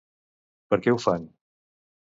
Per què ho fan?